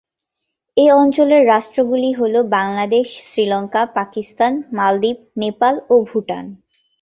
এই অঞ্চলের রাষ্ট্রগুলি হল বাংলাদেশ, ভারত, শ্রীলঙ্কা, পাকিস্তান, মালদ্বীপ, নেপাল ও ভুটান।